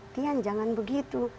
tian jangan begitu